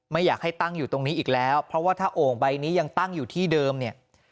ไม่อยากให้ตั้งอยู่ตรงนี้อีกแล้วเพราะว่าถ้าโอ่งใบนี้ยังตั้งอยู่ที่เดิมเนี่ย